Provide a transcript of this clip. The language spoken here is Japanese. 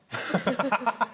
ハハハハ。